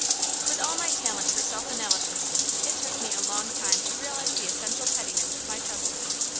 With all my talent for self analysis, it took me a long time to realize the essential pettiness of my trouble.